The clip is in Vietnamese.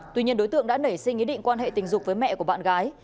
tuy nhiên đối tượng đã nảy sinh ý định quan hệ tình dục với mẹ của bạn gái